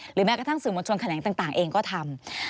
หรือแม้กระทั่งสื่อมดชนแขนแหลงต่างเองก็ทำ